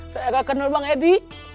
saya akan kenal bang edi